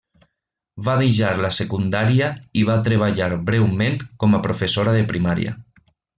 Va deixar la secundària i va treballar breument com a professora de primària.